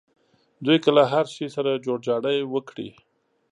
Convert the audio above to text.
دوی که له هر شي سره جوړجاړی وکړي.